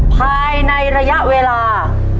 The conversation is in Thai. ภายในระยะเวลา